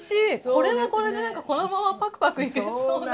これはこれでなんかこのままパクパクいけそうな。